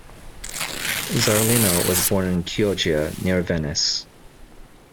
Zarlino was born in Chioggia, near Venice.